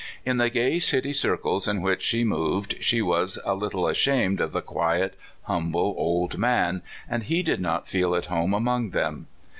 In the gay city circles in which she moved she was a little ashamed of the quiet, humble old man, and he did not feel at home among them.